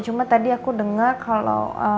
cuma tadi aku dengar kalau